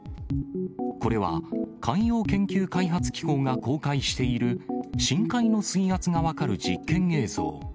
これは、海洋研究開発機構が公開している深海の水圧が分かる実験映像。